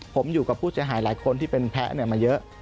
ผมอยู่กับผู้เสียหายหลายคนที่เป็นแพ้มาเยอะ